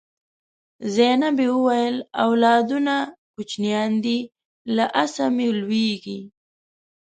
زینبې وویل اولادونه کوچنیان دي له آسه مه لوېږئ.